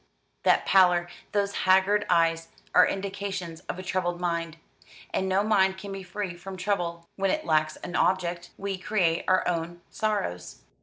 "That pallor, those haggard eyes are indications of a troubled mind; and no mind can be free from trouble when it lacks an object. We create our own sorrows."